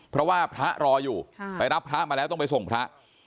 เพราะว่าพระรออยู่ไปรับพระมาแล้วต้องไปส่งพระ